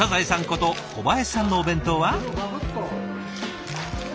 こと小林さんのお弁当は？